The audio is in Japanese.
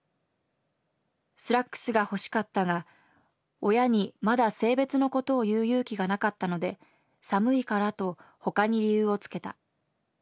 スラックスが欲しかったが親にまだ性別のことを言う勇気がなかったので寒いからと他に理由をつけた。